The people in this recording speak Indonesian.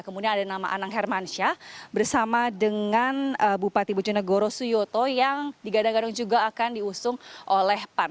kemudian ada nama anang hermansyah bersama dengan bupati bojonegoro suyoto yang digadang gadang juga akan diusung oleh pan